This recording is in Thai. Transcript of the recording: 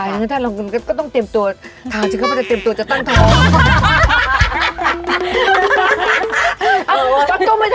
ถ้าเราก็ต้องเตรียมตัวทาน